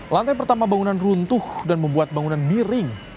lantai pertama bangunan runtuh dan membuat bangunan miring